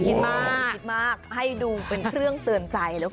เดี๋ยวเป็นคิดมากให้ดูเป็นเครื่องเตือนใจแล้วกัน